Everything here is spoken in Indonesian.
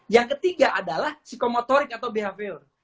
yang ketiga adalah psikomotorik atau behavior